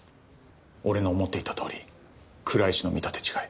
俺の思っていたとおり倉石の見立て違い